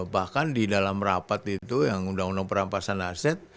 bahkan di dalam rapat itu yang undang undang perampasan aset